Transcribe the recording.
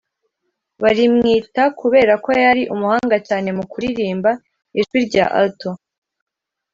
barimwita kubera ko yari umuhanga cyane mu kuririmba ijwi rya Alto